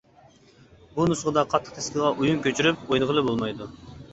بۇ نۇسخىدا قاتتىق دىسكىغا ئويۇن كۆچۈرۈپ ئوينىغىلى بولمايدۇ.